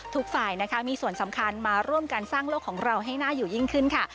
ทุกฝ่ายนะคะมีส่วนสำคัญมาร่วมกันสร้างโลกของเราให้น่าอยู่ยิ่งขึ้นค่ะ